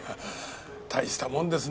大したもんですね。